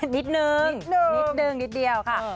นิดนึงนิดเดียวค่ะ